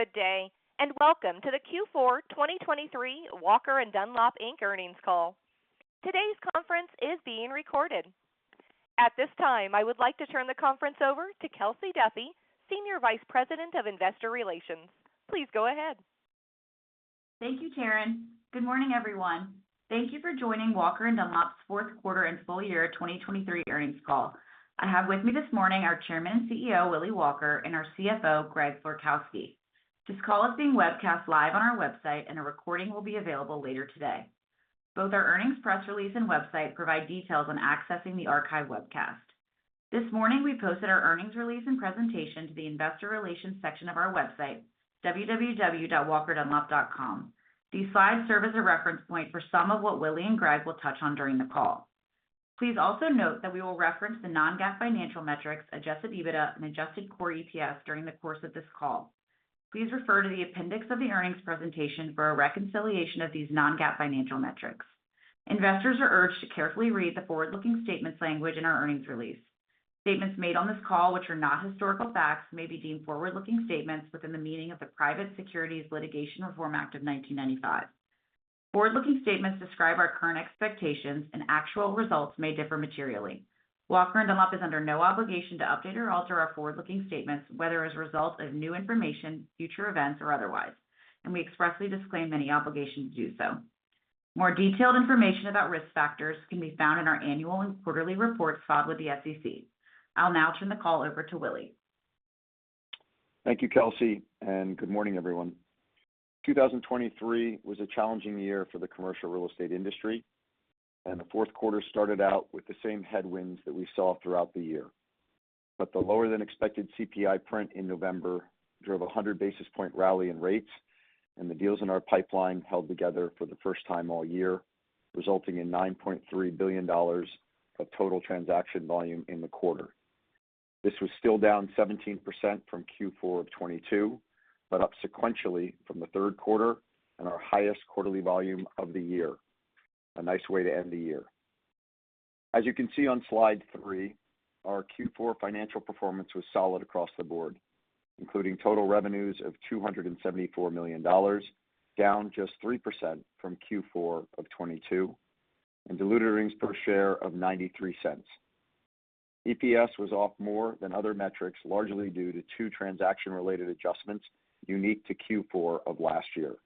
Good day and welcome to the Q4 2023 Walker & Dunlop, Inc. earnings call. Today's conference is being recorded. At this time, I would like to turn the conference over to Kelsey Duffey, Senior Vice President of Investor Relations. Please go ahead. Thank you, Taryn. Good morning, everyone. Thank you for joining Walker & Dunlop's fourth quarter and full year 2023 earnings call. I have with me this morning our Chairman and CEO, Willy Walker, and our CFO, Greg Florkowski. This call is being webcast live on our website, and a recording will be available later today. Both our earnings press release and website provide details on accessing the archive webcast. This morning, we posted our earnings release and presentation to the Investor Relations section of our website, www.walker-dunlop.com. These slides serve as a reference point for some of what Willy and Greg will touch on during the call. Please also note that we will reference the non-GAAP financial metrics, adjusted EBITDA, and adjusted core EPS during the course of this call. Please refer to the appendix of the earnings presentation for a reconciliation of these non-GAAP financial metrics. Investors are urged to carefully read the forward-looking statements language in our earnings release. Statements made on this call, which are not historical facts, may be deemed forward-looking statements within the meaning of the Private Securities Litigation Reform Act of 1995. Forward-looking statements describe our current expectations, and actual results may differ materially. Walker & Dunlop is under no obligation to update or alter our forward-looking statements, whether as a result of new information, future events, or otherwise, and we expressly disclaim any obligation to do so. More detailed information about risk factors can be found in our annual and quarterly reports filed with the SEC. I'll now turn the call over to Willy. Thank you, Kelsey, and good morning, everyone. 2023 was a challenging year for the commercial real estate industry, and the fourth quarter started out with the same headwinds that we saw throughout the year. But the lower-than-expected CPI print in November drove a 100 basis point rally in rates, and the deals in our pipeline held together for the first time all year, resulting in $9.3 billion of total transaction volume in the quarter. This was still down 17% from Q4 of 2022 but up sequentially from the third quarter and our highest quarterly volume of the year, a nice way to end the year. As you can see on slide 3, our Q4 financial performance was solid across the board, including total revenues of $274 million, down just 3% from Q4 of 2022, and diluted earnings per share of $0.93. EPS was off more than other metrics, largely due to two transaction-related adjustments unique to Q4 of last year.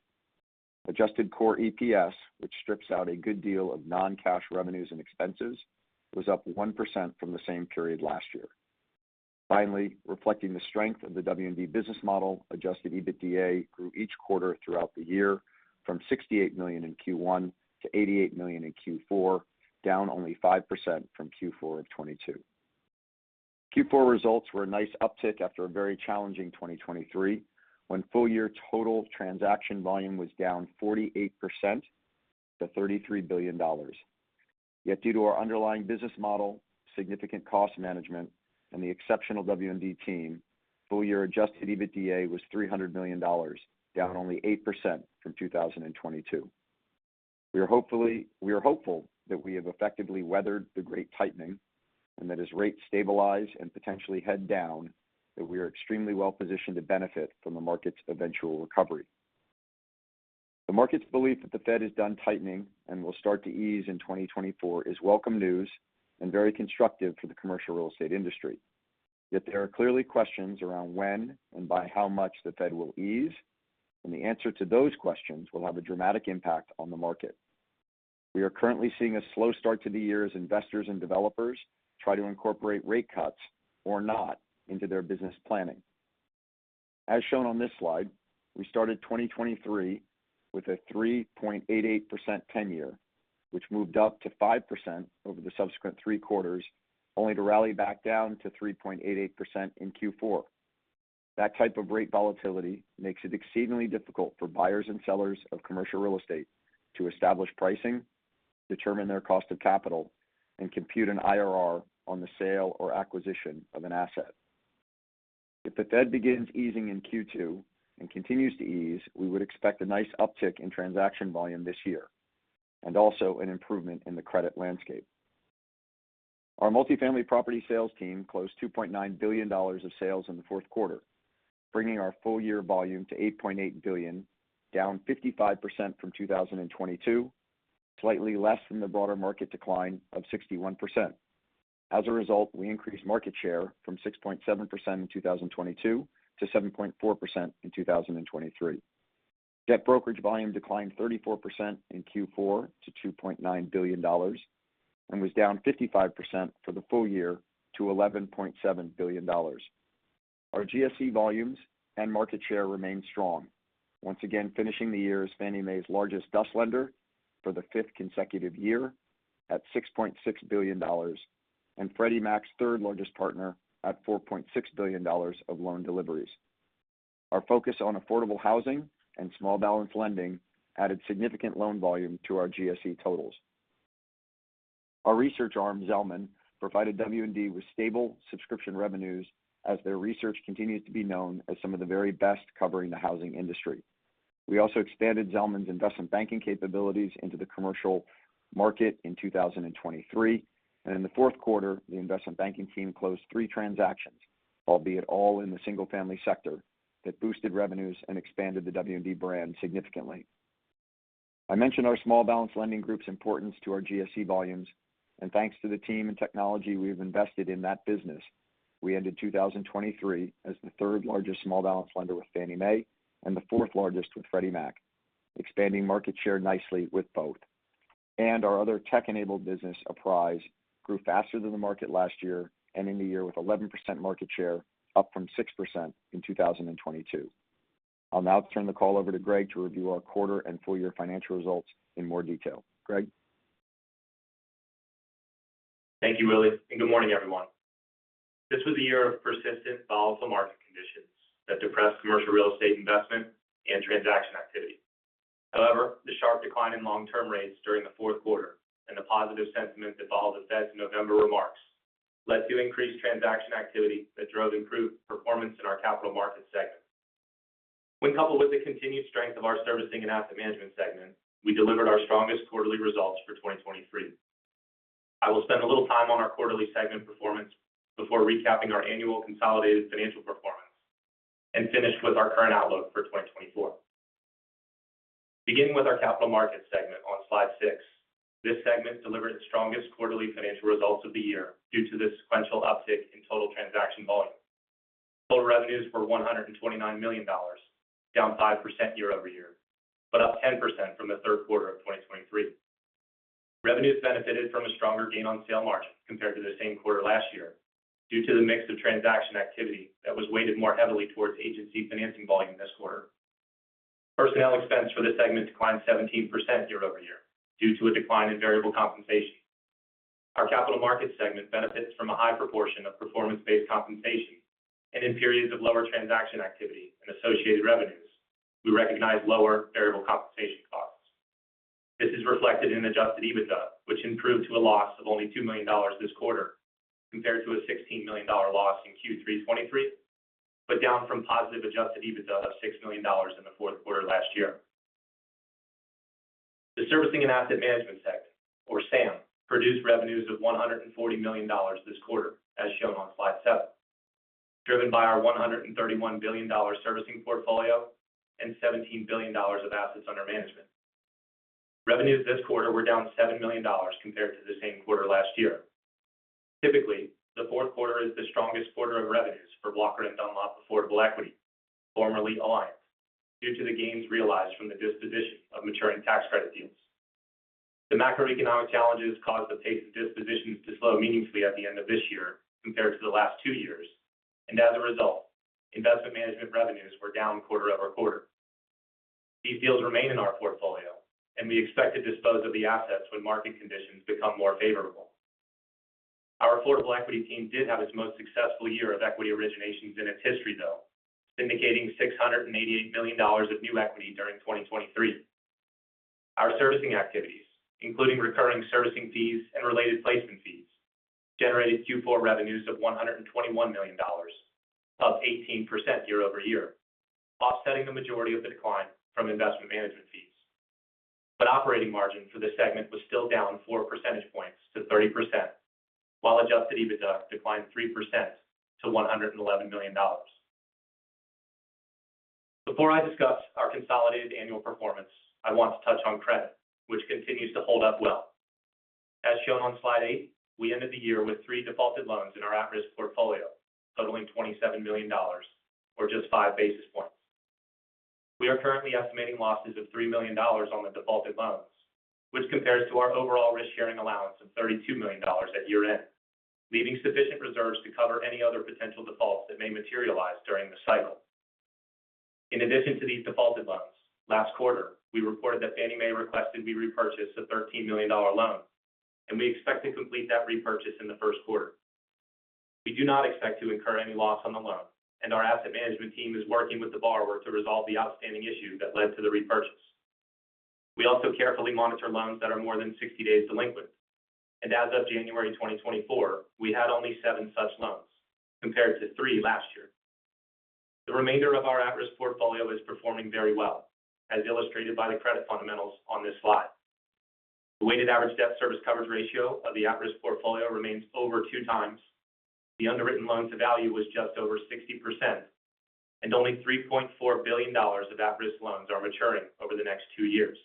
Adjusted Core EPS, which strips out a good deal of non-cash revenues and expenses, was up 1% from the same period last year. Finally, reflecting the strength of the W&D business model, Adjusted EBITDA grew each quarter throughout the year from $68 million in Q1 to $88 million in Q4, down only 5% from Q4 of 2022. Q4 results were a nice uptick after a very challenging 2023 when full-year total transaction volume was down 48% to $33 billion. Yet, due to our underlying business model, significant cost management, and the exceptional W&D team, full-year Adjusted EBITDA was $300 million, down only 8% from 2022. We are hopeful that we have effectively weathered the Great Tightening and that as rates stabilize and potentially head down, that we are extremely well-positioned to benefit from the market's eventual recovery. The market's belief that the Fed has done tightening and will start to ease in 2024 is welcome news and very constructive for the commercial real estate industry. Yet there are clearly questions around when and by how much the Fed will ease, and the answer to those questions will have a dramatic impact on the market. We are currently seeing a slow start to the year as investors and developers try to incorporate rate cuts or not into their business planning. As shown on this slide, we started 2023 with a 3.88% 10-year, which moved up to 5% over the subsequent three quarters, only to rally back down to 3.88% in Q4. That type of rate volatility makes it exceedingly difficult for buyers and sellers of commercial real estate to establish pricing, determine their cost of capital, and compute an IRR on the sale or acquisition of an asset. If the Fed begins easing in Q2 and continues to ease, we would expect a nice uptick in transaction volume this year and also an improvement in the credit landscape. Our multifamily property sales team closed $2.9 billion of sales in the fourth quarter, bringing our full-year volume to $8.8 billion, down 55% from 2022, slightly less than the broader market decline of 61%. As a result, we increased market share from 6.7% in 2022 to 7.4% in 2023. Debt brokerage volume declined 34% in Q4 to $2.9 billion and was down 55% for the full year to $11.7 billion. Our GSE volumes and market share remain strong, once again finishing the year as Fannie Mae's largest DUS lender for the fifth consecutive year at $6.6 billion and Freddie Mac's third-largest partner at $4.6 billion of loan deliveries. Our focus on affordable housing and small balance lending added significant loan volume to our GSE totals. Our research arm, Zelman, provided W&D with stable subscription revenues as their research continues to be known as some of the very best covering the housing industry. We also expanded Zelman's investment banking capabilities into the commercial market in 2023, and in the fourth quarter, the investment banking team closed three transactions, albeit all in the single-family sector, that boosted revenues and expanded the W&D brand significantly. I mentioned our small balance lending group's importance to our GSE volumes, and thanks to the team and technology we have invested in that business, we ended 2023 as the third-largest small balance lender with Fannie Mae and the fourth-largest with Freddie Mac, expanding market share nicely with both. Our other tech-enabled business, Apprise, grew faster than the market last year and ending the year with 11% market share, up from 6% in 2022. I'll now turn the call over to Greg to review our quarter and full-year financial results in more detail. Greg? Thank you, Willy, and good morning, everyone. This was a year of persistent, volatile market conditions that depressed commercial real estate investment and transaction activity. However, the sharp decline in long-term rates during the fourth quarter and the positive sentiment that followed the Fed's November remarks led to increased transaction activity that drove improved performance in our capital market segment. When coupled with the continued strength of our Servicing and Asset Management segment, we delivered our strongest quarterly results for 2023. I will spend a little time on our quarterly segment performance before recapping our annual consolidated financial performance and finish with our current outlook for 2024. Beginning with our capital market segment on slide 6, this segment delivered its strongest quarterly financial results of the year due to the sequential uptick in total transaction volume. Total revenues were $129 million, down 5% year-over-year, but up 10% from the third quarter of 2023. Revenues benefited from a stronger gain on sale margin compared to the same quarter last year due to the mix of transaction activity that was weighted more heavily towards agency financing volume this quarter. Personnel expense for this segment declined 17% year-over-year due to a decline in variable compensation. Our capital market segment benefits from a high proportion of performance-based compensation, and in periods of lower transaction activity and associated revenues, we recognize lower variable compensation costs. This is reflected in Adjusted EBITDA, which improved to a loss of only $2 million this quarter compared to a $16 million loss in Q3 2023, but down from positive Adjusted EBITDA of $6 million in the fourth quarter last year. The servicing and asset management segment, or SAM, produced revenues of $140 million this quarter, as shown on slide 7, driven by our $131 billion servicing portfolio and $17 billion of assets under management. Revenues this quarter were down $7 million compared to the same quarter last year. Typically, the fourth quarter is the strongest quarter of revenues for Walker & Dunlop Affordable Equity, formerly Alliant, due to the gains realized from the disposition of maturing tax credit deals. The macroeconomic challenges caused the pace of dispositions to slow meaningfully at the end of this year compared to the last two years, and as a result, investment management revenues were down quarter-over-quarter. These deals remain in our portfolio, and we expect to dispose of the assets when market conditions become more favorable. Our Affordable Equity team did have its most successful year of equity originations in its history, though, indicating $688 million of new equity during 2023. Our servicing activities, including recurring servicing fees and related placement fees, generated Q4 revenues of $121 million, up 18% year over year, offsetting the majority of the decline from investment management fees. But operating margin for this segment was still down 4 percentage points to 30%, while Adjusted EBITDA declined 3% to $111 million. Before I discuss our consolidated annual performance, I want to touch on credit, which continues to hold up well. As shown on slide 8, we ended the year with three defaulted loans in our at-risk portfolio, totaling $27 million, or just 5 basis points. We are currently estimating losses of $3 million on the defaulted loans, which compares to our overall risk-sharing allowance of $32 million at year-end, leaving sufficient reserves to cover any other potential defaults that may materialize during the cycle. In addition to these defaulted loans, last quarter, we reported that Fannie Mae requested we repurchase a $13 million loan, and we expect to complete that repurchase in the first quarter. We do not expect to incur any loss on the loan, and our asset management team is working with the borrower to resolve the outstanding issue that led to the repurchase. We also carefully monitor loans that are more than 60 days delinquent, and as of January 2024, we had only 7 such loans compared to 3 last year. The remainder of our at-risk portfolio is performing very well, as illustrated by the credit fundamentals on this slide. The weighted average debt service coverage ratio of the at-risk portfolio remains over two times, the underwritten loan-to-value was just over 60%, and only $3.4 billion of at-risk loans are maturing over the next two years.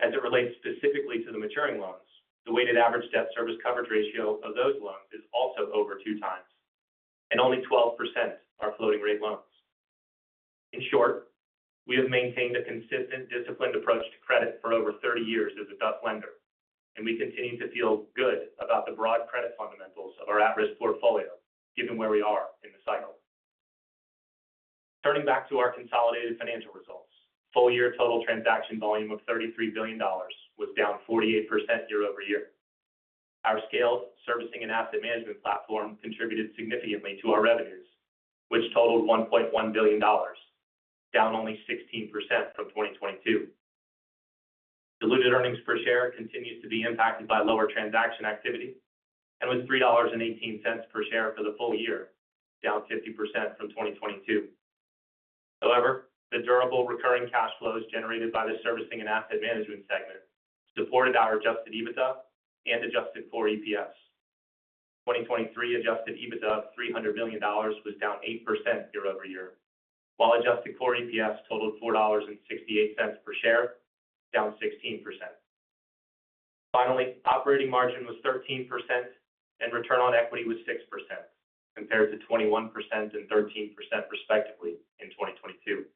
As it relates specifically to the maturing loans, the weighted average debt service coverage ratio of those loans is also over two times, and only 12% are floating-rate loans. In short, we have maintained a consistent disciplined approach to credit for over 30 years as a DUS lender, and we continue to feel good about the broad credit fundamentals of our at-risk portfolio given where we are in the cycle. Turning back to our consolidated financial results, full-year total transaction volume of $33 billion was down 48% year-over-year. Our scaled servicing and asset management platform contributed significantly to our revenues, which totaled $1.1 billion, down only 16% from 2022. Diluted earnings per share continues to be impacted by lower transaction activity and was $3.18 per share for the full year, down 50% from 2022. However, the durable recurring cash flows generated by the servicing and asset management segment supported our Adjusted EBITDA and Adjusted Core EPS. 2023 Adjusted EBITDA of $300 million was down 8% year over year, while Adjusted Core EPS totaled $4.68 per share, down 16%. Finally, operating margin was 13% and return on equity was 6%, compared to 21% and 13% respectively in 2022.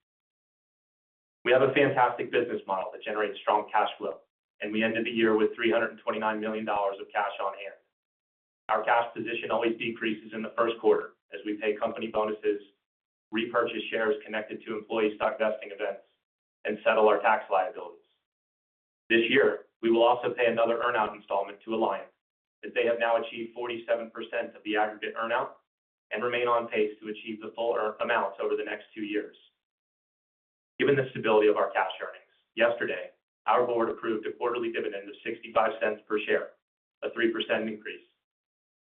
We have a fantastic business model that generates strong cash flow, and we ended the year with $329 million of cash on hand. Our cash position always decreases in the first quarter as we pay company bonuses, repurchase shares connected to employee stock vesting events, and settle our tax liabilities. This year, we will also pay another earnout installment to Alliant, as they have now achieved 47% of the aggregate earnout and remain on pace to achieve the full amount over the next two years. Given the stability of our cash earnings, yesterday, our board approved a quarterly dividend of $0.65 per share, a 3% increase,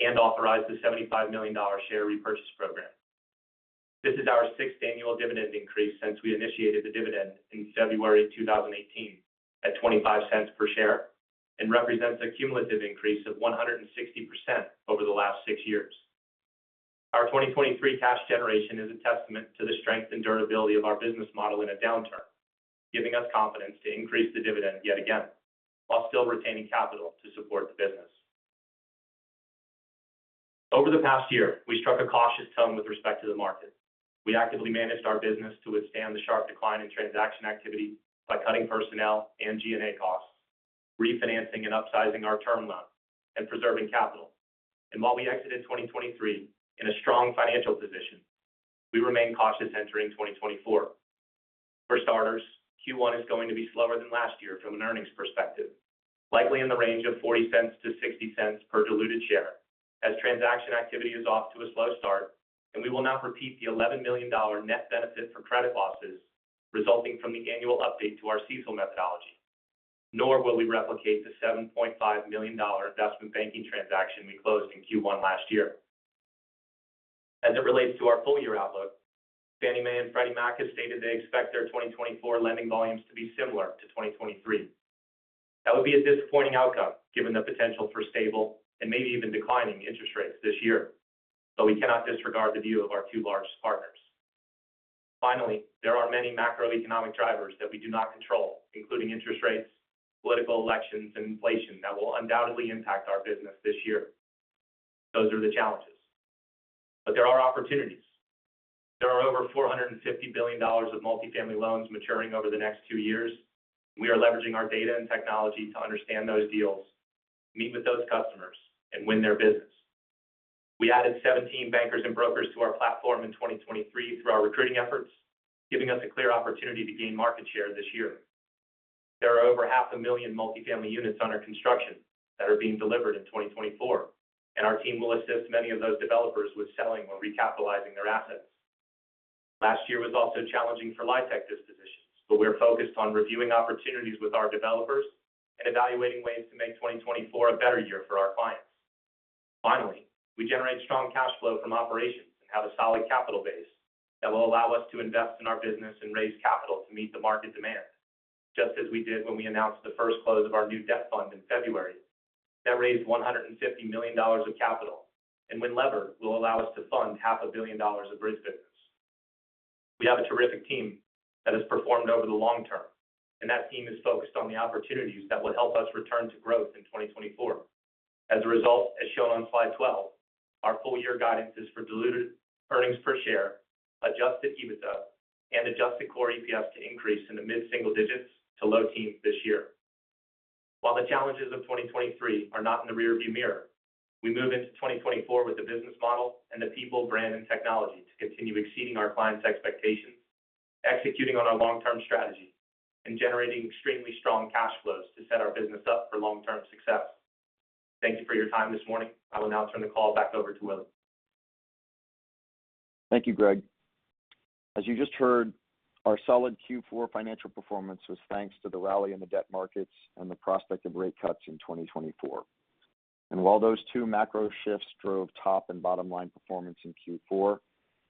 and authorized the $75 million share repurchase program. This is our sixth annual dividend increase since we initiated the dividend in February 2018 at $0.25 per share and represents a cumulative increase of 160% over the last six years. Our 2023 cash generation is a testament to the strength and durability of our business model in a downturn, giving us confidence to increase the dividend yet again while still retaining capital to support the business. Over the past year, we struck a cautious tone with respect to the market. We actively managed our business to withstand the sharp decline in transaction activity by cutting personnel and G&A costs, refinancing and upsizing our term loan, and preserving capital. While we exited 2023 in a strong financial position, we remain cautious entering 2024. For starters, Q1 is going to be slower than last year from an earnings perspective, likely in the range of $0.40-$0.60 per diluted share as transaction activity is off to a slow start, and we will not repeat the $11 million net benefit for credit losses resulting from the annual update to our seasonal methodology, nor will we replicate the $7.5 million investment banking transaction we closed in Q1 last year. As it relates to our full-year outlook, Fannie Mae and Freddie Mac have stated they expect their 2024 lending volumes to be similar to 2023. That would be a disappointing outcome given the potential for stable and maybe even declining interest rates this year, but we cannot disregard the view of our two largest partners. Finally, there are many macroeconomic drivers that we do not control, including interest rates, political elections, and inflation that will undoubtedly impact our business this year. Those are the challenges. But there are opportunities. There are over $450 billion of multifamily loans maturing over the next 2 years, and we are leveraging our data and technology to understand those deals, meet with those customers, and win their business. We added 17 bankers and brokers to our platform in 2023 through our recruiting efforts, giving us a clear opportunity to gain market share this year. There are over 500,000 multifamily units under construction that are being delivered in 2024, and our team will assist many of those developers with selling or recapitalizing their assets. Last year was also challenging for LIHTC dispositions, but we're focused on reviewing opportunities with our developers and evaluating ways to make 2024 a better year for our clients. Finally, we generate strong cash flow from operations and have a solid capital base that will allow us to invest in our business and raise capital to meet the market demand, just as we did when we announced the first close of our new debt fund in February that raised $150 million of capital and when levered will allow us to fund $500 million of bridge business. We have a terrific team that has performed over the long term, and that team is focused on the opportunities that will help us return to growth in 2024. As a result, as shown on slide 12, our full-year guidance is for diluted earnings per share, adjusted EBITDA, and adjusted core EPS to increase in the mid-single digits to low teens this year. While the challenges of 2023 are not in the rearview mirror, we move into 2024 with the business model and the people, brand, and technology to continue exceeding our clients' expectations, executing on our long-term strategy, and generating extremely strong cash flows to set our business up for long-term success. Thank you for your time this morning. I will now turn the call back over to Willy. Thank you, Greg. As you just heard, our solid Q4 financial performance was thanks to the rally in the debt markets and the prospect of rate cuts in 2024. While those two macro shifts drove top and bottom line performance in Q4,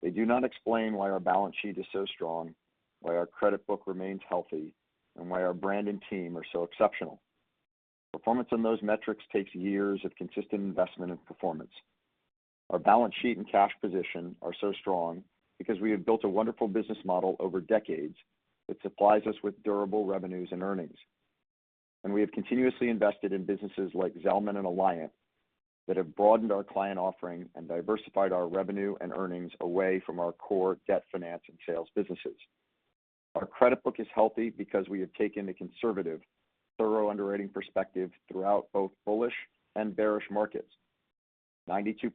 they do not explain why our balance sheet is so strong, why our credit book remains healthy, and why our brand and team are so exceptional. Performance on those metrics takes years of consistent investment and performance. Our balance sheet and cash position are so strong because we have built a wonderful business model over decades that supplies us with durable revenues and earnings. We have continuously invested in businesses like Zelman and Alliant that have broadened our client offering and diversified our revenue and earnings away from our core debt finance and sales businesses. Our credit book is healthy because we have taken a conservative, thorough underwriting perspective throughout both bullish and bearish markets. 92%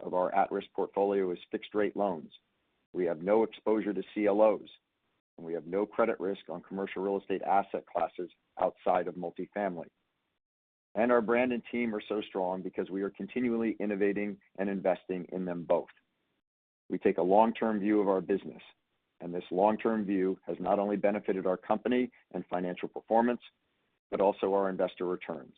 of our At-Risk Portfolio is fixed-rate loans. We have no exposure to CLOs, and we have no credit risk on commercial real estate asset classes outside of multifamily. Our brand and team are so strong because we are continually innovating and investing in them both. We take a long-term view of our business, and this long-term view has not only benefited our company and financial performance but also our investor returns.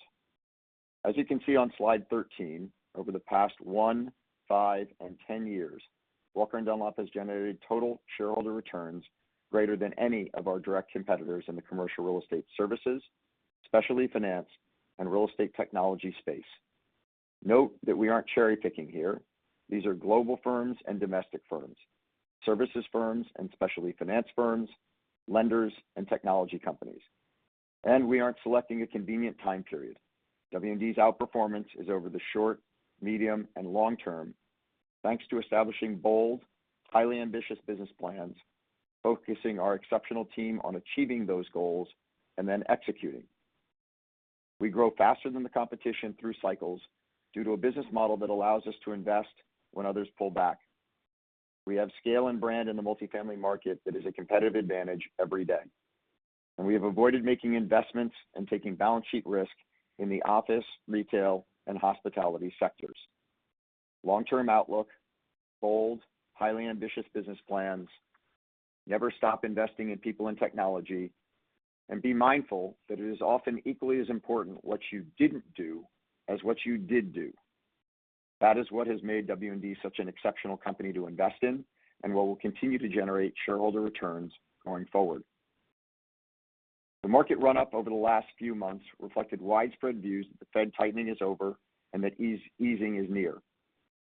As you can see on slide 13, over the past one, five, and 10 years, Walker & Dunlop has generated total shareholder returns greater than any of our direct competitors in the commercial real estate services, specialty finance, and real estate technology space. Note that we aren't cherry-picking here. These are global firms and domestic firms, services firms and specialty finance firms, lenders, and technology companies. We aren't selecting a convenient time period. W&D's outperformance is over the short, medium, and long term thanks to establishing bold, highly ambitious business plans, focusing our exceptional team on achieving those goals, and then executing. We grow faster than the competition through cycles due to a business model that allows us to invest when others pull back. We have scale and brand in the multifamily market that is a competitive advantage every day. We have avoided making investments and taking balance sheet risk in the office, retail, and hospitality sectors. Long-term outlook: bold, highly ambitious business plans, never stop investing in people and technology, and be mindful that it is often equally as important what you didn't do as what you did do. That is what has made W&D such an exceptional company to invest in and what will continue to generate shareholder returns going forward. The market run-up over the last few months reflected widespread views that the Fed tightening is over and that easing is near.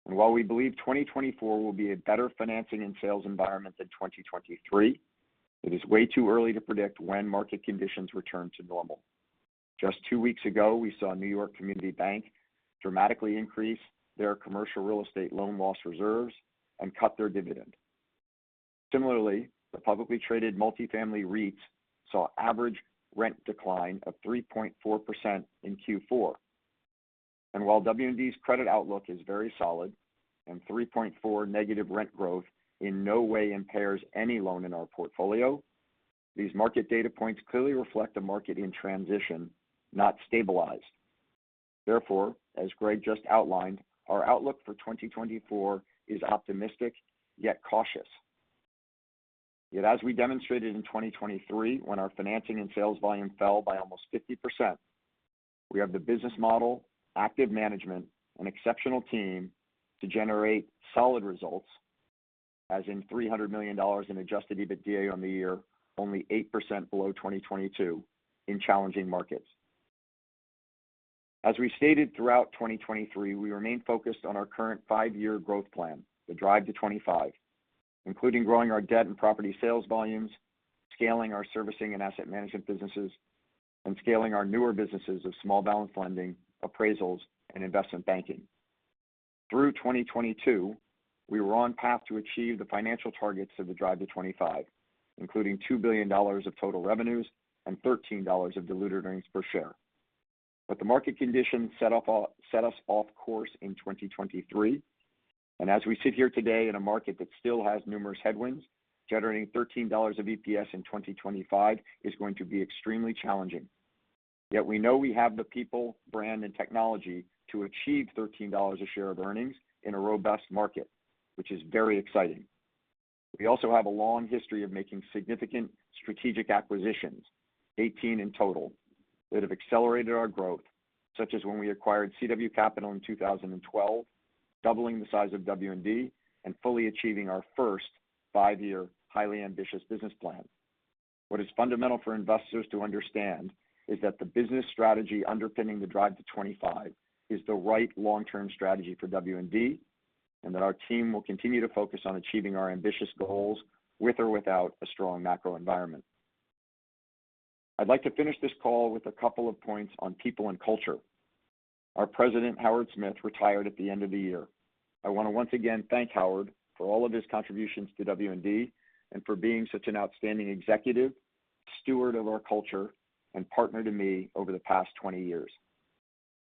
And while we believe 2024 will be a better financing and sales environment than 2023, it is way too early to predict when market conditions return to normal. Just two weeks ago, we saw New York Community Bank dramatically increase their commercial real estate loan loss reserves and cut their dividend. Similarly, the publicly traded multifamily REITs saw average rent decline of 3.4% in Q4. And while W&D's credit outlook is very solid and 3.4 negative rent growth in no way impairs any loan in our portfolio, these market data points clearly reflect a market in transition, not stabilized. Therefore, as Greg just outlined, our outlook for 2024 is optimistic yet cautious. Yet as we demonstrated in 2023 when our financing and sales volume fell by almost 50%, we have the business model, active management, and exceptional team to generate solid results, as in $300 million in Adjusted EBITDA on the year, only 8% below 2022 in challenging markets. As we stated throughout 2023, we remain focused on our current five-year growth plan, the Drive to 2025, including growing our debt and property sales volumes, scaling our servicing and asset management businesses, and scaling our newer businesses of small balance lending, appraisals, and investment banking. Through 2022, we were on path to achieve the financial targets of the Drive to 2025, including $2 billion of total revenues and $13 of diluted earnings per share. But the market conditions set us off course in 2023, and as we sit here today in a market that still has numerous headwinds, generating $13 of EPS in 2025 is going to be extremely challenging. Yet we know we have the people, brand, and technology to achieve $13 a share of earnings in a robust market, which is very exciting. We also have a long history of making significant strategic acquisitions, 18 in total, that have accelerated our growth, such as when we acquired CW Capital in 2012, doubling the size of W&D, and fully achieving our first five-year highly ambitious business plan. What is fundamental for investors to understand is that the business strategy underpinning the Drive to 2025 is the right long-term strategy for W&D and that our team will continue to focus on achieving our ambitious goals with or without a strong macro environment. I'd like to finish this call with a couple of points on people and culture. Our President, Howard Smith, retired at the end of the year. I want to once again thank Howard for all of his contributions to W&D and for being such an outstanding executive, steward of our culture, and partner to me over the past 20 years.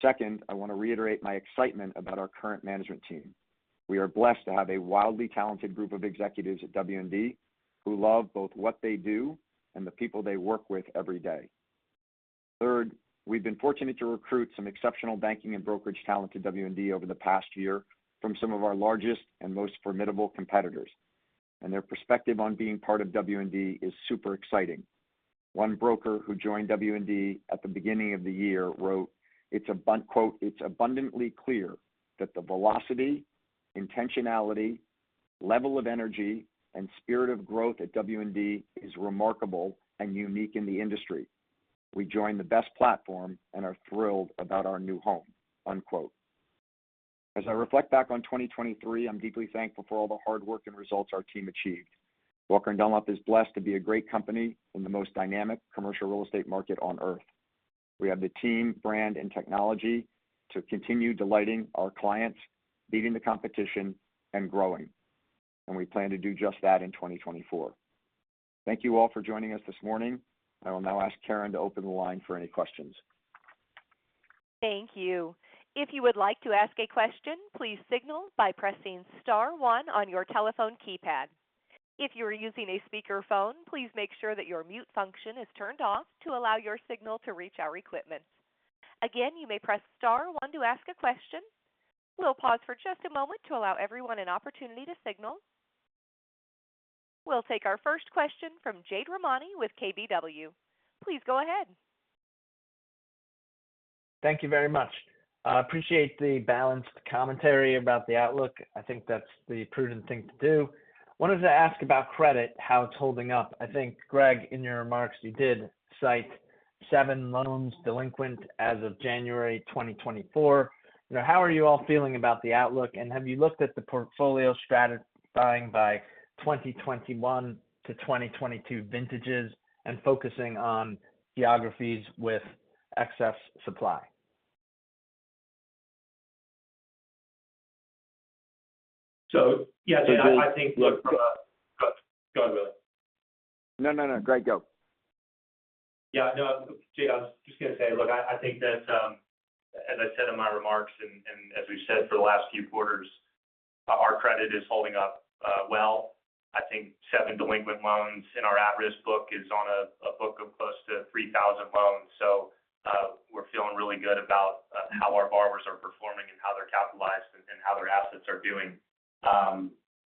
Second, I want to reiterate my excitement about our current management team. We are blessed to have a wildly talented group of executives at W&D who love both what they do and the people they work with every day. Third, we've been fortunate to recruit some exceptional banking and brokerage talent to W&D over the past year from some of our largest and most formidable competitors, and their perspective on being part of W&D is super exciting. One broker who joined W&D at the beginning of the year wrote, "It's abundantly clear that the velocity, intentionality, level of energy, and spirit of growth at W&D is remarkable and unique in the industry. We joined the best platform and are thrilled about our new home." As I reflect back on 2023, I'm deeply thankful for all the hard work and results our team achieved. Walker & Dunlop is blessed to be a great company in the most dynamic commercial real estate market on Earth. We have the team, brand, and technology to continue delighting our clients, beating the competition, and growing, and we plan to do just that in 2024. Thank you all for joining us this morning. I will now ask Karen to open the line for any questions. Thank you. If you would like to ask a question, please signal by pressing star one on your telephone keypad. If you are using a speakerphone, please make sure that your mute function is turned off to allow your signal to reach our equipment. Again, you may press star one to ask a question. We'll pause for just a moment to allow everyone an opportunity to signal. We'll take our first question from Jade Rahmani with KBW. Please go ahead. Thank you very much. I appreciate the balanced commentary about the outlook. I think that's the prudent thing to do. One is to ask about credit, how it's holding up. I think, Greg, in your remarks, you did cite seven loans delinquent as of January 2024. How are you all feeling about the outlook, and have you looked at the portfolio stratifying by 2021 to 2022 vintages and focusing on geographies with excess supply? So yeah, Jade, I think look from a go ahead, Willy. No, no, no. Greg, go. Yeah. No, Jade, I was just going to say, look, I think that, as I said in my remarks and as we've said for the last few quarters, our credit is holding up well. I think 7 delinquent loans in our at-risk book is on a book of close to 3,000 loans, so we're feeling really good about how our borrowers are performing and how they're capitalized and how their assets are doing.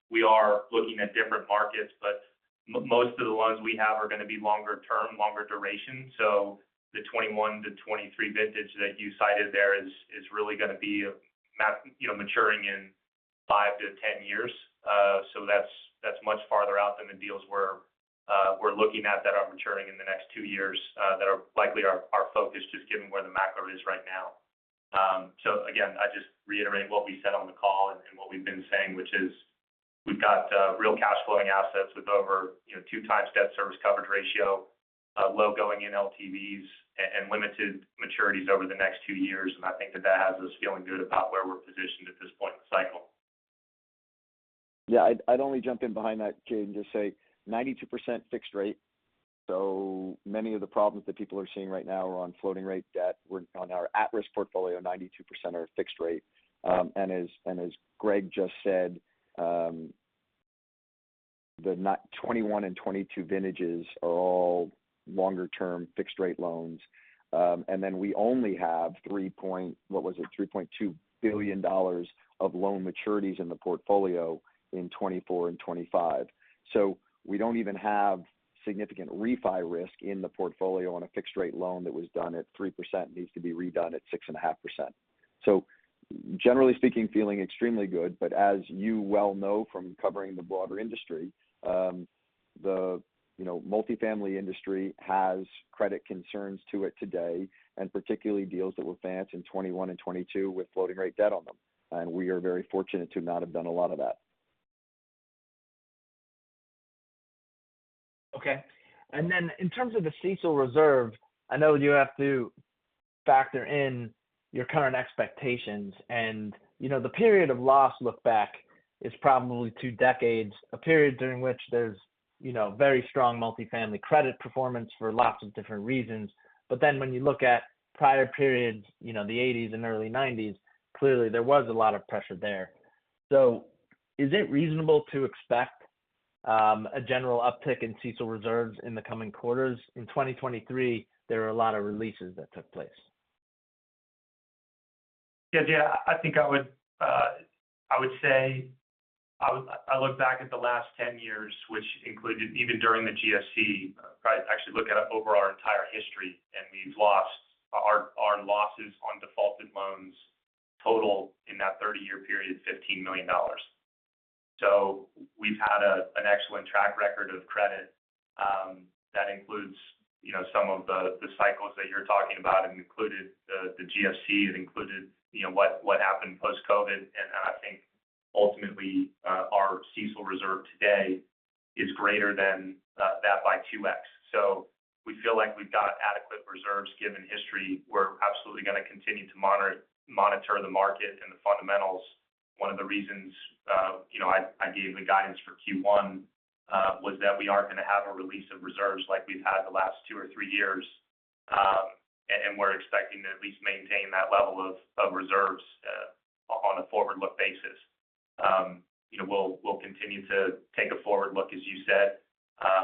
We are looking at different markets, but most of the loans we have are going to be longer term, longer duration. So the 2021-2023 vintage that you cited there is really going to be maturing in 5-10 years. So that's much farther out than the deals we're looking at that are maturing in the next two years that are likely our focus just given where the macro is right now. Again, I just reiterate what we said on the call and what we've been saying, which is we've got real cash-flowing assets with over 2 times debt service coverage ratio, low going-in LTVs, and limited maturities over the next 2 years. I think that that has us feeling good about where we're positioned at this point in the cycle. Yeah. I'd only jump in behind that, Jade, and just say 92% fixed rate. So many of the problems that people are seeing right now are on floating rate debt. On our at-risk portfolio, 92% are fixed rate. And as Greg just said, the 2021 and 2022 vintages are all longer-term fixed-rate loans. And then we only have $3.2 billion of loan maturities in the portfolio in 2024 and 2025. So we don't even have significant refi risk in the portfolio on a fixed-rate loan that was done at 3% and needs to be redone at 6.5%. So generally speaking, feeling extremely good. But as you well know from covering the broader industry, the multifamily industry has credit concerns to it today, and particularly deals that were financed in 2021 and 2022 with floating-rate debt on them. We are very fortunate to not have done a lot of that. Okay. And then in terms of the CECL reserve, I know you have to factor in your current expectations. And the period of loss look-back is probably two decades, a period during which there's very strong multifamily credit performance for lots of different reasons. But then when you look at prior periods, the 1980s and early 1990s, clearly there was a lot of pressure there. So is it reasonable to expect a general uptick in CECL reserves in the coming quarters? In 2023, there were a lot of releases that took place. Yeah, Jade, I think I would say I look back at the last 10 years, which included even during the GSE, actually look at over our entire history, and we've lost our losses on defaulted loans total in that 30-year period, $15 million. So we've had an excellent track record of credit that includes some of the cycles that you're talking about and included the GSE and included what happened post-COVID. And I think ultimately, our CECL reserve today is greater than that by 2x. So we feel like we've got adequate reserves given history. We're absolutely going to continue to monitor the market and the fundamentals. One of the reasons I gave the guidance for Q1 was that we aren't going to have a release of reserves like we've had the last two or three years, and we're expecting to at least maintain that level of reserves on a forward-look basis. We'll continue to take a forward look, as you said.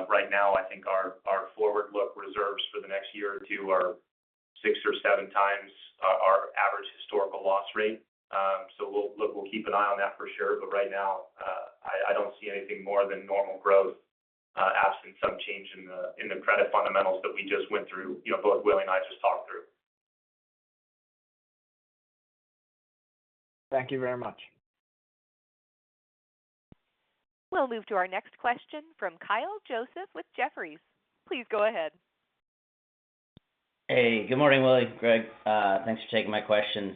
Right now, I think our forward-look reserves for the next year or two are six or seven times our average historical loss rate. So we'll keep an eye on that for sure. But right now, I don't see anything more than normal growth absent some change in the credit fundamentals that we just went through, both Willy and I just talked through. Thank you very much. We'll move to our next question from Kyle Joseph with Jefferies. Please go ahead. Hey. Good morning, Willy. Greg, thanks for taking my questions.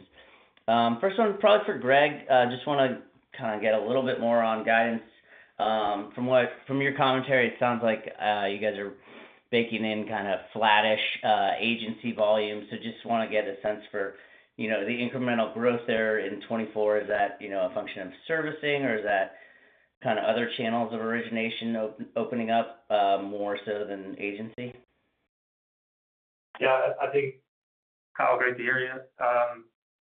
First one, probably for Greg, just want to kind of get a little bit more on guidance. From your commentary, it sounds like you guys are baking in kind of flattish agency volume. So just want to get a sense for the incremental growth there in 2024. Is that a function of servicing, or is that kind of other channels of origination opening up more so than agency? Yeah. I think how great the area is.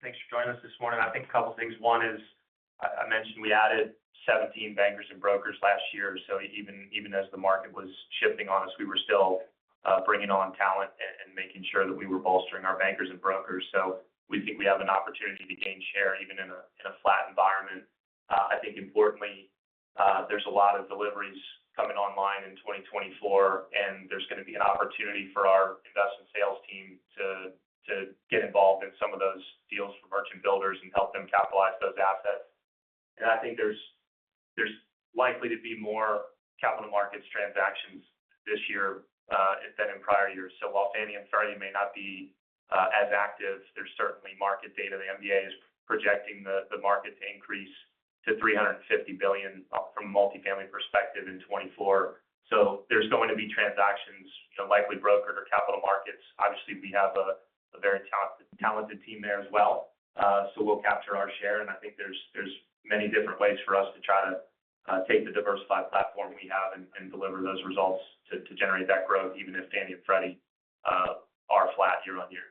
Thanks for joining us this morning. I think a couple of things. One is I mentioned we added 17 bankers and brokers last year. So even as the market was shifting on us, we were still bringing on talent and making sure that we were bolstering our bankers and brokers. So we think we have an opportunity to gain share even in a flat environment. I think, importantly, there's a lot of deliveries coming online in 2024, and there's going to be an opportunity for our investment sales team to get involved in some of those deals for merchant builders and help them capitalize those assets. And I think there's likely to be more capital markets transactions this year than in prior years. So while Fannie and Freddie may not be as active, there's certainly market data. The MBA is projecting the market to increase to $350 billion from a multifamily perspective in 2024. So there's going to be transactions, likely brokered or capital markets. Obviously, we have a very talented team there as well, so we'll capture our share. And I think there's many different ways for us to try to take the diversified platform we have and deliver those results to generate that growth, even if Fannie and Freddie are flat year on year.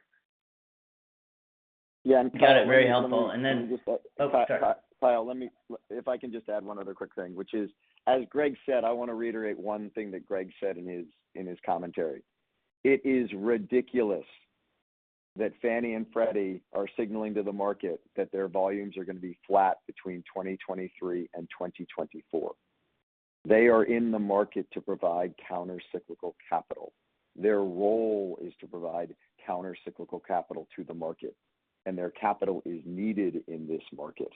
Yeah. Got it. Very helpful. And then, oh, sorry. Kyle, if I can just add one other quick thing, which is, as Greg said, I want to reiterate one thing that Greg said in his commentary. It is ridiculous that Fannie and Freddie are signaling to the market that their volumes are going to be flat between 2023 and 2024. They are in the market to provide countercyclical capital. Their role is to provide countercyclical capital to the market, and their capital is needed in this market.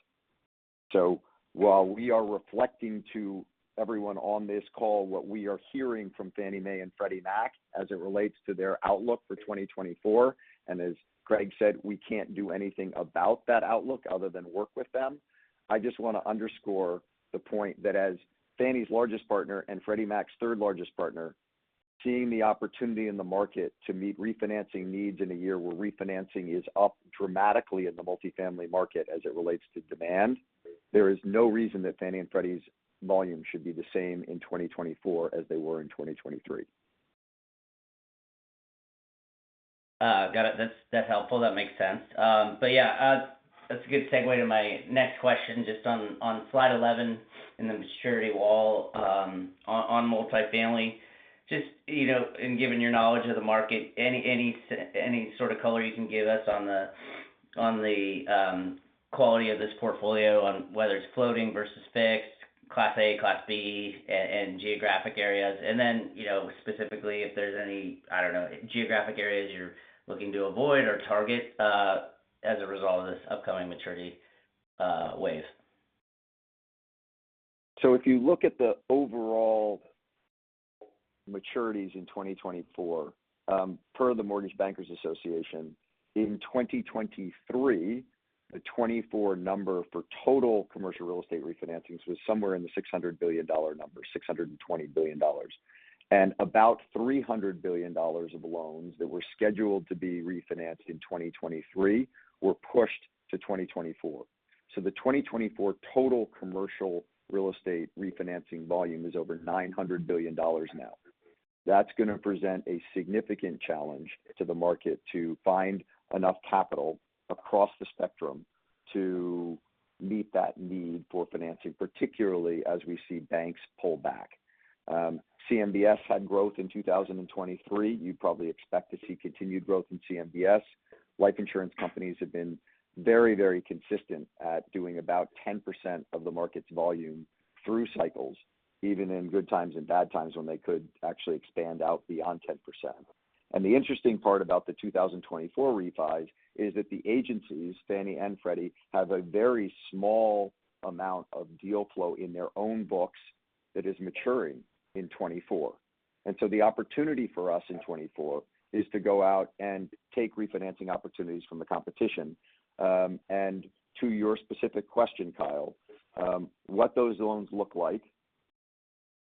So while we are reflecting to everyone on this call what we are hearing from Fannie Mae and Freddie Mac as it relates to their outlook for 2024, and as Greg said, we can't do anything about that outlook other than work with them, I just want to underscore the point that as Fannie's largest partner and Freddie Mac's third largest partner, seeing the opportunity in the market to meet refinancing needs in a year where refinancing is up dramatically in the multifamily market as it relates to demand, there is no reason that Fannie and Freddie's volumes should be the same in 2024 as they were in 2023. Got it. That's helpful. That makes sense. But yeah, that's a good segue to my next question just on slide 11 in the maturity wall on multifamily. Just given your knowledge of the market, any sort of color you can give us on the quality of this portfolio, whether it's floating versus fixed, class A, class B, and geographic areas, and then specifically if there's any, I don't know, geographic areas you're looking to avoid or target as a result of this upcoming maturity wave? So if you look at the overall maturities in 2024, per the Mortgage Bankers Association, in 2023, the '24 number for total commercial real estate refinancings was somewhere in the $600 billion number, $620 billion. About $300 billion of loans that were scheduled to be refinanced in 2023 were pushed to 2024. So the 2024 total commercial real estate refinancing volume is over $900 billion now. That's going to present a significant challenge to the market to find enough capital across the spectrum to meet that need for financing, particularly as we see banks pull back. CMBS had growth in 2023. You'd probably expect to see continued growth in CMBS. Life insurance companies have been very, very consistent at doing about 10% of the market's volume through cycles, even in good times and bad times when they could actually expand out beyond 10%. The interesting part about the 2024 refis is that the agencies, Fannie and Freddie, have a very small amount of deal flow in their own books that is maturing in 2024. The opportunity for us in 2024 is to go out and take refinancing opportunities from the competition. To your specific question, Kyle, what those loans look like,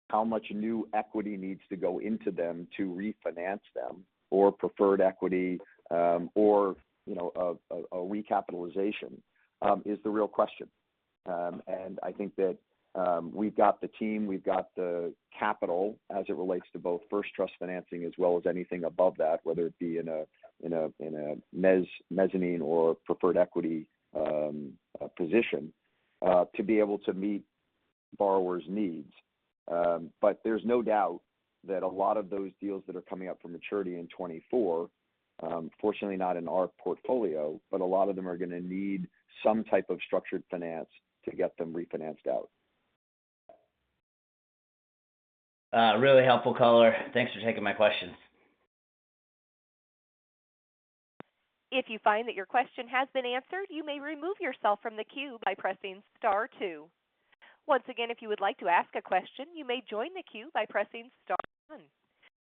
how much new equity needs to go into them to refinance them, or preferred equity, or a recapitalization, is the real question. I think that we've got the team. We've got the capital as it relates to both first-trust financing as well as anything above that, whether it be in a mezzanine or preferred equity position, to be able to meet borrowers' needs. But there's no doubt that a lot of those deals that are coming up for maturity in 2024, fortunately not in our portfolio, but a lot of them are going to need some type of structured finance to get them refinanced out. Really helpful color. Thanks for taking my questions. If you find that your question has been answered, you may remove yourself from the queue by pressing star 2. Once again, if you would like to ask a question, you may join the queue by pressing star 1.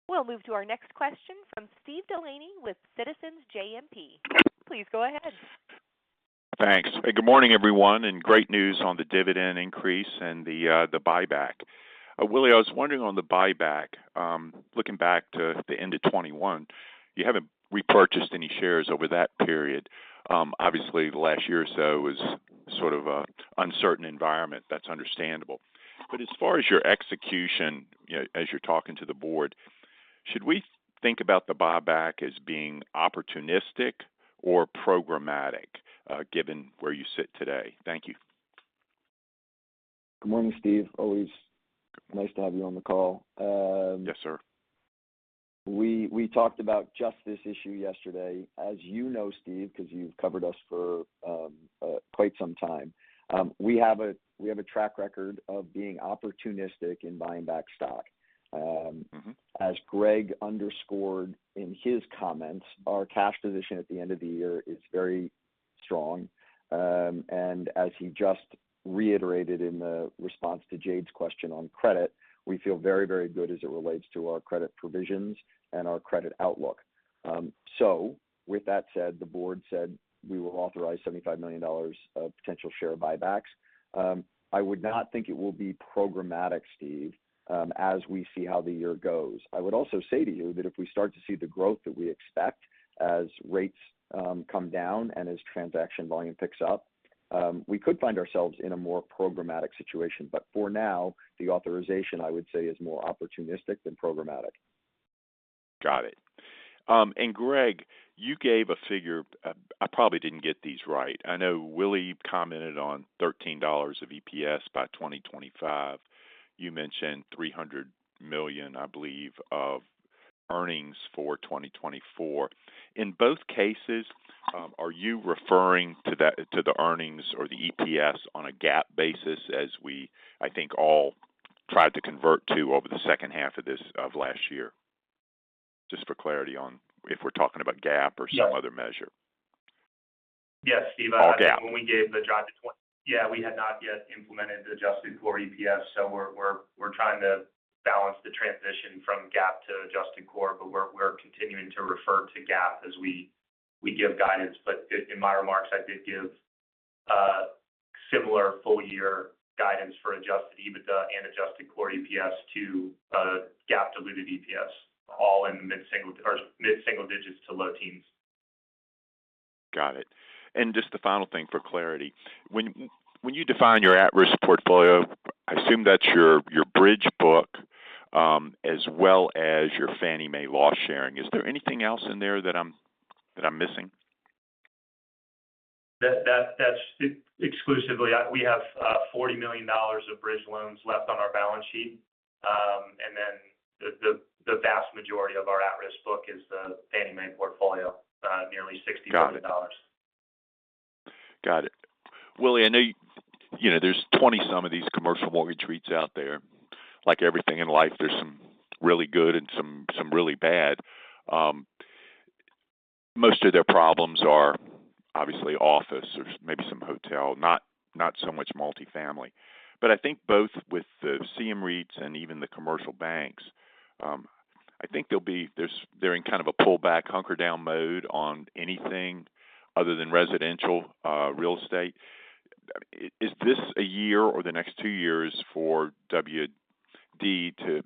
We'll move to our next question from Steve Delaney with Citizens JMP. Please go ahead. Thanks. Good morning, everyone, and great news on the dividend increase and the buyback. Willy, I was wondering on the buyback, looking back to the end of 2021, you haven't repurchased any shares over that period. Obviously, the last year or so was sort of an uncertain environment. That's understandable. But as far as your execution, as you're talking to the board, should we think about the buyback as being opportunistic or programmatic given where you sit today? Thank you. Good morning, Steve. Always nice to have you on the call. Yes, sir. We talked about just this issue yesterday. As you know, Steve, because you've covered us for quite some time, we have a track record of being opportunistic in buying back stock. As Greg underscored in his comments, our cash position at the end of the year is very strong. And as he just reiterated in the response to Jade's question on credit, we feel very, very good as it relates to our credit provisions and our credit outlook. So with that said, the board said we will authorize $75 million of potential share buybacks. I would not think it will be programmatic, Steve, as we see how the year goes. I would also say to you that if we start to see the growth that we expect as rates come down and as transaction volume picks up, we could find ourselves in a more programmatic situation. But for now, the authorization, I would say, is more opportunistic than programmatic. Got it. Greg, you gave a figure I probably didn't get these right. I know Willy commented on $13 of EPS by 2025. You mentioned $300 million, I believe, of earnings for 2024. In both cases, are you referring to the earnings or the EPS on a GAAP basis as we, I think, all tried to convert to over the second half of last year? Just for clarity on if we're talking about GAAP or some other measure. Yes, Steve. When we gave the job to yeah, we had not yet implemented the Adjusted Core EPS. So we're trying to balance the transition from GAAP to adjusted core, but we're continuing to refer to GAAP as we give guidance. But in my remarks, I did give similar full-year guidance for Adjusted EBITDA and Adjusted Core EPS to GAAP-diluted EPS, all in mid-single digits to low teens. Got it. Just the final thing for clarity. When you define your At-Risk Portfolio, I assume that's your bridge book as well as your Fannie Mae loss sharing. Is there anything else in there that I'm missing? Exclusively, we have $40 million of bridge loans left on our balance sheet. And then the vast majority of our at-risk book is the Fannie Mae portfolio, nearly $60 million. Got it. Willy, I know there's 20-some of these commercial mortgage REITs out there. Like everything in life, there's some really good and some really bad. Most of their problems are obviously office or maybe some hotel, not so much multifamily. But I think both with the CM REITs and even the commercial banks, I think they're in kind of a pullback, hunker-down mode on anything other than residential real estate. Is this a year or the next 2 years for WD to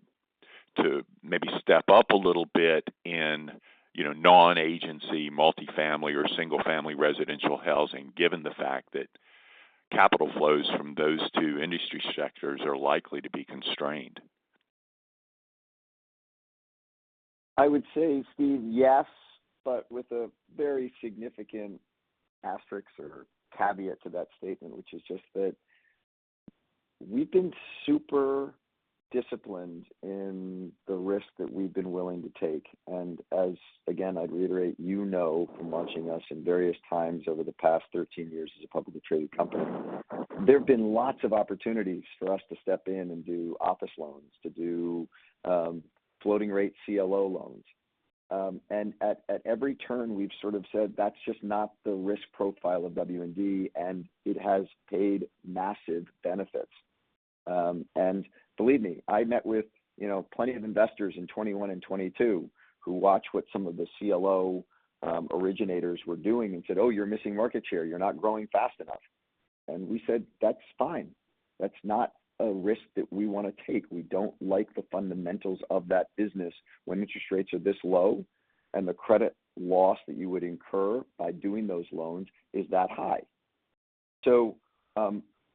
maybe step up a little bit in non-agency, multifamily, or single-family residential housing, given the fact that capital flows from those two industry sectors are likely to be constrained? I would say, Steve, yes, but with a very significant asterisk or caveat to that statement, which is just that we've been super disciplined in the risk that we've been willing to take. Again, I'd reiterate, you know from watching us in various times over the past 13 years as a publicly traded company, there have been lots of opportunities for us to step in and do office loans, to do floating-rate CLO loans. At every turn, we've sort of said, "That's just not the risk profile of W&D, and it has paid massive benefits." Believe me, I met with plenty of investors in 2021 and 2022 who watched what some of the CLO originators were doing and said, "Oh, you're missing market share. You're not growing fast enough." And we said, "That's fine. That's not a risk that we want to take. We don't like the fundamentals of that business when interest rates are this low and the credit loss that you would incur by doing those loans is that high." So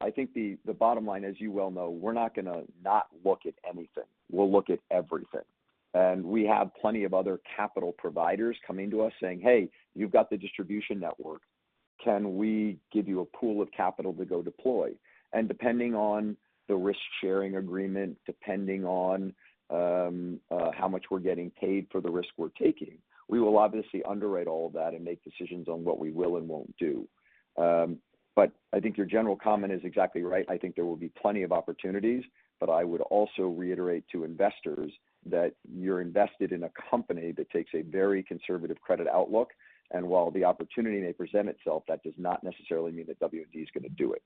I think the bottom line, as you well know, we're not going to not look at anything. We'll look at everything. And we have plenty of other capital providers coming to us saying, "Hey, you've got the distribution network. Can we give you a pool of capital to go deploy?" And depending on the risk-sharing agreement, depending on how much we're getting paid for the risk we're taking, we will obviously underwrite all of that and make decisions on what we will and won't do. But I think your general comment is exactly right. I think there will be plenty of opportunities. But I would also reiterate to investors that you're invested in a company that takes a very conservative credit outlook. And while the opportunity may present itself, that does not necessarily mean that W&D is going to do it.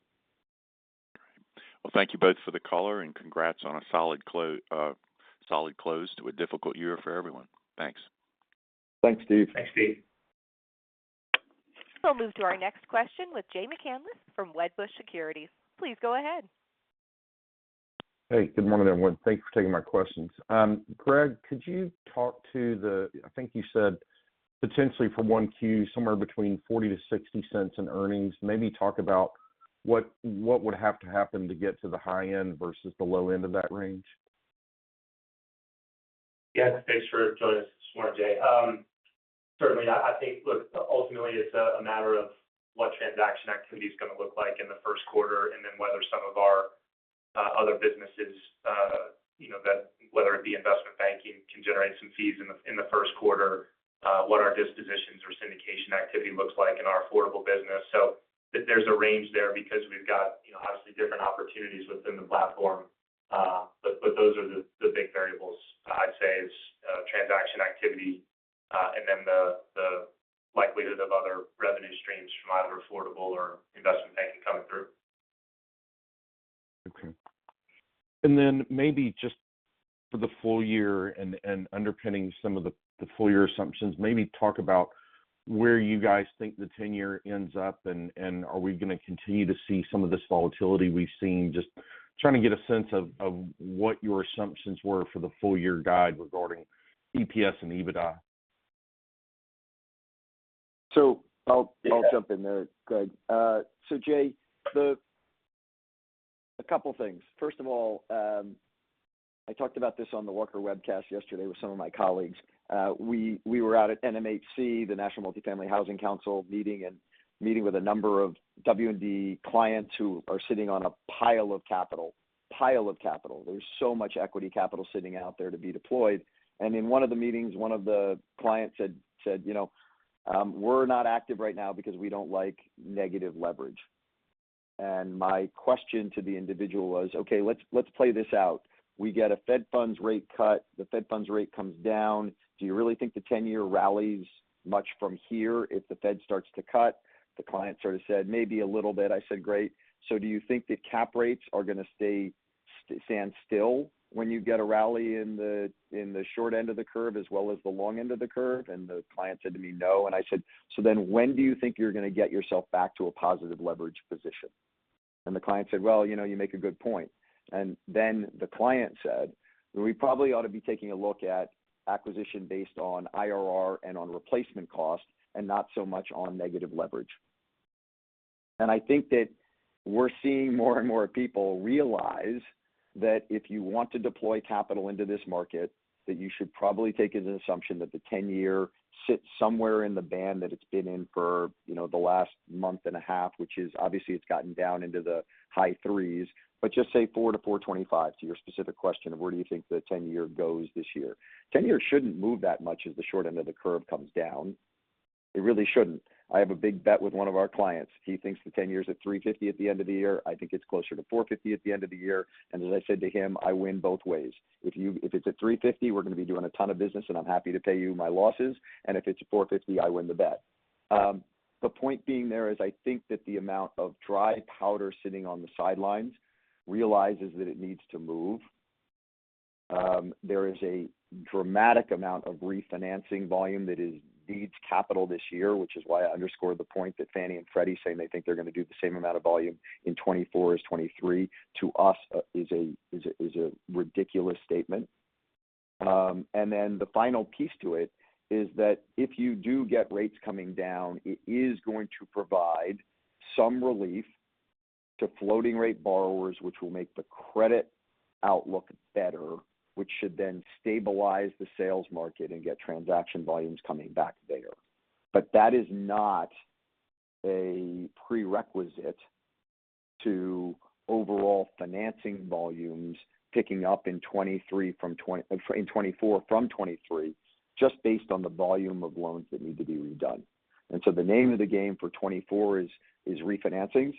Well, thank you both for the call, and congrats on a solid close to a difficult year for everyone. Thanks. Thanks, Steve. Thanks, Steve. We'll move to our next question with Jay McCanless from Wedbush Securities. Please go ahead. Hey, good morning, everyone. Thanks for taking my questions. Greg, could you talk about the—I think you said potentially for Q1, somewhere between $0.40-$0.60 in earnings. Maybe talk about what would have to happen to get to the high end versus the low end of that range? Yes. Thanks for joining us this morning, Jay. Certainly, I think, look, ultimately, it's a matter of what transaction activity is going to look like in the first quarter and then whether some of our other businesses, whether it be investment banking, can generate some fees in the first quarter, what our dispositions or syndication activity looks like in our affordable business. So there's a range there because we've got obviously different opportunities within the platform. But those are the big variables, I'd say, is transaction activity and then the likelihood of other revenue streams from either affordable or investment banking coming through. Okay. And then maybe just for the full year and underpinning some of the full-year assumptions, maybe talk about where you guys think the 10-year ends up, and are we going to continue to see some of this volatility we've seen? Just trying to get a sense of what your assumptions were for the full-year guide regarding EPS and EBITDA. So I'll jump in there, Greg. So Jay, a couple of things. First of all, I talked about this on the Walker Webcast yesterday with some of my colleagues. We were out at NMHC, the National Multifamily Housing Council meeting, and meeting with a number of W&D clients who are sitting on a pile of capital, pile of capital. There's so much equity capital sitting out there to be deployed. And in one of the meetings, one of the clients said, "We're not active right now because we don't like negative leverage." And my question to the individual was, "Okay, let's play this out. We get a Fed Funds Rate cut. The Fed Funds Rate comes down. Do you really think the 10-year rallies much from here if the Fed starts to cut?" The client sort of said, "Maybe a little bit." I said, "Great. So do you think that cap rates are going to stand still when you get a rally in the short end of the curve as well as the long end of the curve?" And the client said to me, "No." And I said, "So then when do you think you're going to get yourself back to a positive leverage position?" And the client said, "Well, you make a good point." And then the client said, "We probably ought to be taking a look at acquisition based on IRR and on replacement cost and not so much on negative leverage." And I think that we're seeing more and more people realize that if you want to deploy capital into this market, that you should probably take as an assumption that the 10-year sits somewhere in the band that it's been in for the last month and a half, which is obviously, it's gotten down into the high 3s. But just say 4%-4.25% to your specific question of where do you think the 10-year goes this year? 10-year shouldn't move that much as the short end of the curve comes down. It really shouldn't. I have a big bet with one of our clients. He thinks the 10-year is at 3.50% at the end of the year. I think it's closer to 4.50% at the end of the year. And as I said to him, "I win both ways. If it's at 3.50%, we're going to be doing a ton of business, and I'm happy to pay you my losses. And if it's at 4.50%, I win the bet." The point being there is I think that the amount of dry powder sitting on the sidelines realizes that it needs to move. There is a dramatic amount of refinancing volume that needs capital this year, which is why I underscored the point that Fannie and Freddie saying they think they're going to do the same amount of volume in 2024 as 2023 to us is a ridiculous statement. And then the final piece to it is that if you do get rates coming down, it is going to provide some relief to floating-rate borrowers, which will make the credit outlook better, which should then stabilize the sales market and get transaction volumes coming back there. But that is not a prerequisite to overall financing volumes picking up in 2023 from in 2024 from 2023 just based on the volume of loans that need to be redone. And so the name of the game for 2024 is refinancings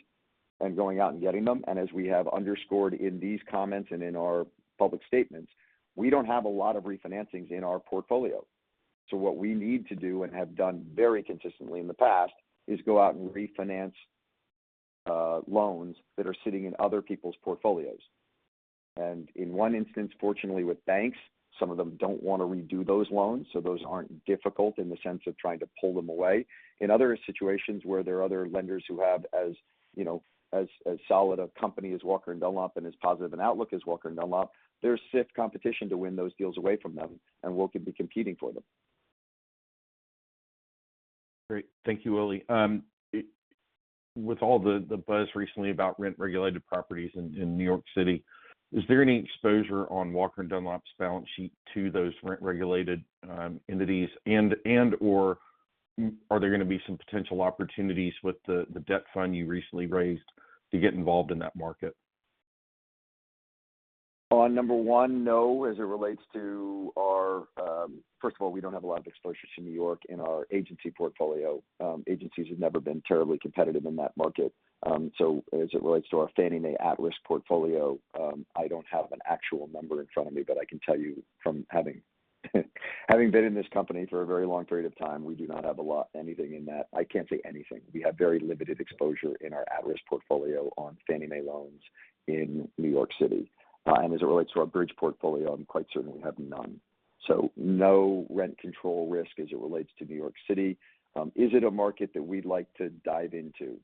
and going out and getting them. As we have underscored in these comments and in our public statements, we don't have a lot of refinancings in our portfolio. What we need to do and have done very consistently in the past is go out and refinance loans that are sitting in other people's portfolios. In one instance, fortunately, with banks, some of them don't want to redo those loans, so those aren't difficult in the sense of trying to pull them away. In other situations where there are other lenders who have as solid a company as Walker & Dunlop and as positive an outlook as Walker & Dunlop, there's stiff competition to win those deals away from them, and we'll be competing for them. Great. Thank you, Willy. With all the buzz recently about rent-regulated properties in New York City, is there any exposure on Walker & Dunlop's balance sheet to those rent-regulated entities, and/or are there going to be some potential opportunities with the debt fund you recently raised to get involved in that market? On number one, no, as it relates to our first of all, we don't have a lot of exposure to New York in our agency portfolio. Agencies have never been terribly competitive in that market. So as it relates to our Fannie Mae at-risk portfolio, I don't have an actual number in front of me, but I can tell you from having been in this company for a very long period of time, we do not have a lot of anything in that. I can't say anything. We have very limited exposure in our at-risk portfolio on Fannie Mae loans in New York City. And as it relates to our bridge portfolio, I'm quite certain we have none. So no rent control risk as it relates to New York City. Is it a market that we'd like to dive into?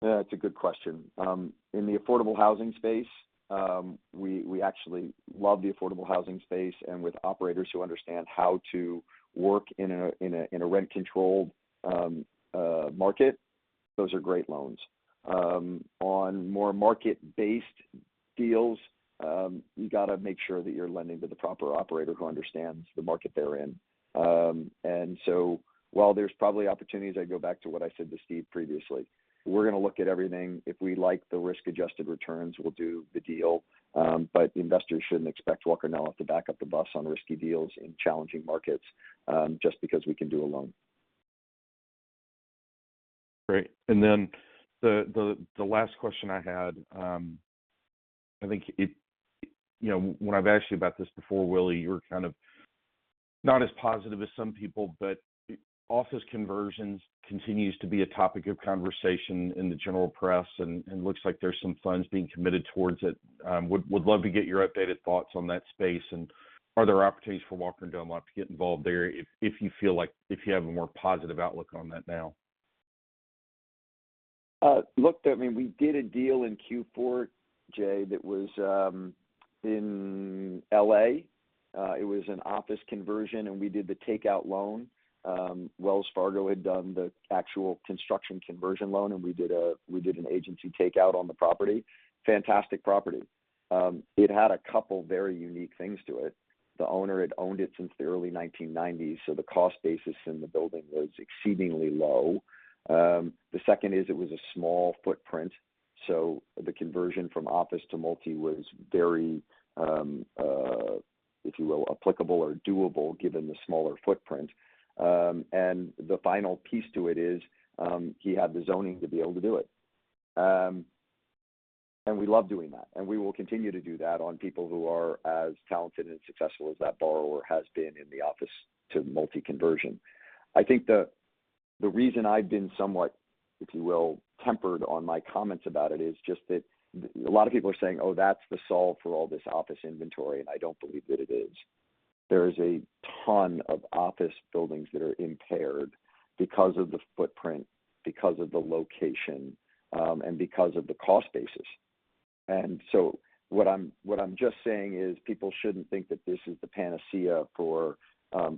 Yeah, that's a good question. In the affordable housing space, we actually love the affordable housing space. With operators who understand how to work in a rent-controlled market, those are great loans. On more market-based deals, you got to make sure that you're lending to the proper operator who understands the market they're in. So while there's probably opportunities, I'd go back to what I said to Steve previously. We're going to look at everything. If we like the risk-adjusted returns, we'll do the deal. Investors shouldn't expect Walker & Dunlop to back up the bus on risky deals in challenging markets just because we can do a loan. Great. And then the last question I had, I think when I've asked you about this before, Willy, you were kind of not as positive as some people, but office conversions continues to be a topic of conversation in the general press, and looks like there's some funds being committed towards it. Would love to get your updated thoughts on that space. And are there opportunities for Walker & Dunlop to get involved there if you feel like if you have a more positive outlook on that now? Look, I mean, we did a deal in Q4, Jay, that was in L.A. It was an office conversion, and we did the takeout loan. Wells Fargo had done the actual construction conversion loan, and we did an agency takeout on the property. Fantastic property. It had a couple very unique things to it. The owner, it owned it since the early 1990s, so the cost basis in the building was exceedingly low. The second is it was a small footprint, so the conversion from office to multi was very, if you will, applicable or doable given the smaller footprint. And the final piece to it is he had the zoning to be able to do it. And we love doing that. And we will continue to do that on people who are as talented and successful as that borrower has been in the office to multi conversion. I think the reason I've been somewhat, if you will, tempered on my comments about it is just that a lot of people are saying, "Oh, that's the solve for all this office inventory," and I don't believe that it is. There is a ton of office buildings that are impaired because of the footprint, because of the location, and because of the cost basis. And so what I'm just saying is people shouldn't think that this is the panacea for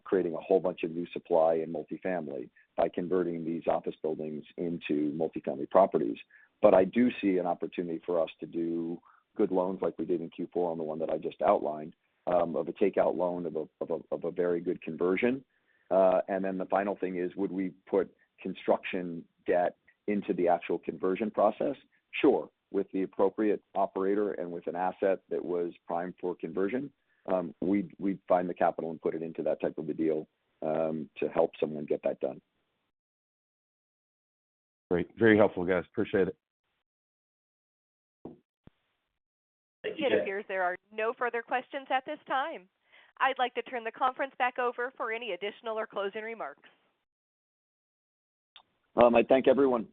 creating a whole bunch of new supply in multifamily by converting these office buildings into multifamily properties. But I do see an opportunity for us to do good loans like we did in Q4 on the one that I just outlined of a takeout loan of a very good conversion. And then the final thing is, would we put construction debt into the actual conversion process? Sure. With the appropriate operator and with an asset that was primed for conversion, we'd find the capital and put it into that type of a deal to help someone get that done. Great. Very helpful, guys. Appreciate it. Thank you, Jay. It appears there are no further questions at this time. I'd like to turn the conference back over for any additional or closing remarks. I thank everyone,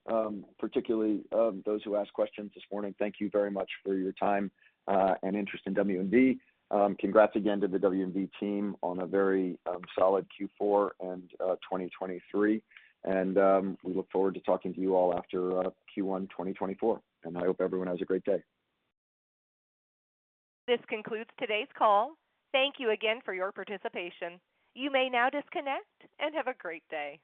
particularly those who asked questions this morning. Thank you very much for your time and interest in W&D. Congrats again to the W&D team on a very solid Q4 and 2023. We look forward to talking to you all after Q1 2024. I hope everyone has a great day. This concludes today's call. Thank you again for your participation. You may now disconnect and have a great day.